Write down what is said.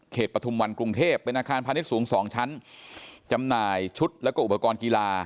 ปฐุมวันกรุงเทพเป็นอาคารพาณิชย์สูง๒ชั้นจำหน่ายชุดแล้วก็อุปกรณ์กีฬา